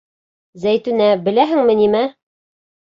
Зәйтүнә, беләһеңме нимә?